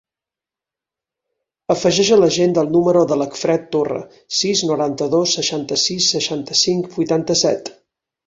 Afegeix a l'agenda el número de l'Acfred Torra: sis, noranta-dos, seixanta-sis, seixanta-cinc, vuitanta-set.